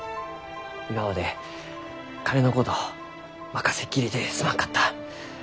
今まで金のこと任せっきりですまんかった！